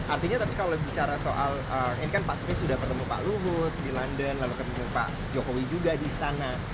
artinya tapi kalau bicara soal ini kan pak surya sudah bertemu pak luhut di london lalu ketemu pak jokowi juga di istana